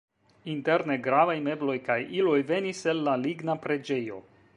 Interne gravaj mebloj kaj iloj venis el la ligna preĝejo.